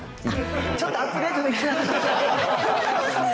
ちょっとアップデートできてなかった。